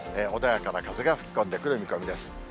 穏やかな風が吹き込んでくる見込みです。